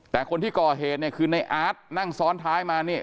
แต่คนที่ก่อเหตุเนี่ยคือในอาร์ตนั่งซ้อนท้ายมานี่